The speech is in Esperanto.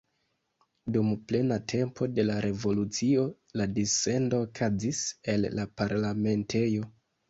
Dum plena tempo de la revolucio la dissendo okazis el la parlamentejo.